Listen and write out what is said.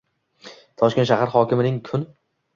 Toshkent shahar hokimining Kun